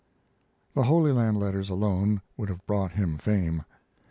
The Holy Land letters alone would have brought him fame.